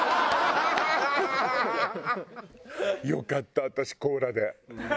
よかった私コーラで。